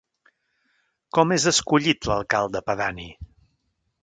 Com és escollit l'alcalde pedani?